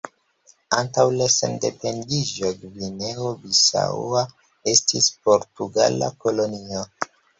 Antaŭ la sendependiĝo Gvineo-Bisaŭa estis portugala kolonio.